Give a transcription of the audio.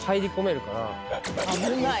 危ない。